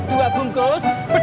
dua bungkus pedas